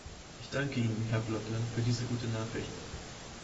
Ich danke Ihnen, Herr Blokland, für diese gute Nachricht.